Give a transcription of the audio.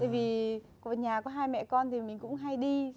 vì của nhà có hai mẹ con thì mình cũng hay đi